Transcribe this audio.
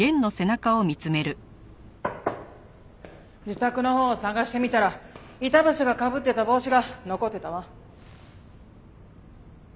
自宅のほうを捜してみたら板橋がかぶってた帽子が残ってたわ。